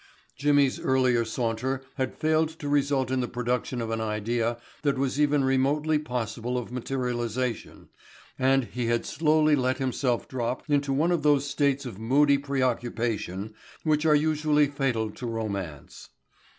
Jimmy's earlier saunter had failed to result in the production of an idea that was even remotely possible of materialization and he had slowly let himself drop into one of those states of moody pre occupation which are usually fatal to romance.